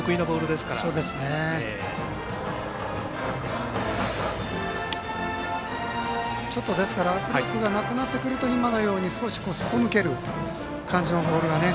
ですから、握力がなくなってくると今のように、すっぽ抜ける感じのボールがね。